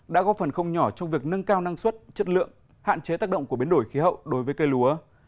đã góp phần không nhỏ trong việc nâng cao năng suất chất lượng hạn chế tác động của biến đổi khí hậu đối với cây lúa